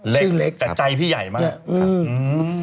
ชื่อเล็กจะใจพี่ใหญ่มาก